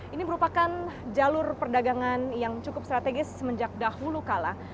ini merupakan jalur perdagangan yang cukup strategis semenjak dahulu kala